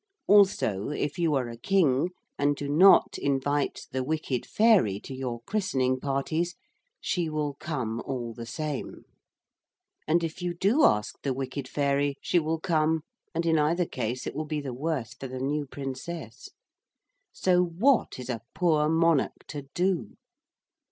Also if you are a king and do not invite the wicked fairy to your christening parties, she will come all the same. And if you do ask the wicked fairy, she will come, and in either case it will be the worse for the new princess. So what is a poor monarch to do?